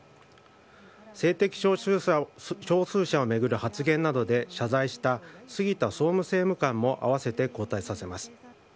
性的少数者を巡る発言などで謝罪した、杉田総務政務官も併せて交代させます。